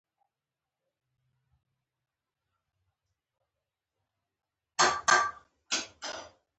پاک زړه د انسان سترتوب څرګندوي.